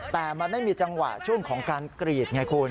แต่มันไม่มีจังหวะช่วงของการกรีดไงคุณ